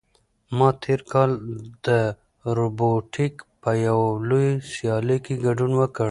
ما تېر کال د روبوټیک په یوه لویه سیالۍ کې ګډون وکړ.